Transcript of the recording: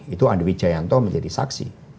itu andwi jayanto menjadi saksi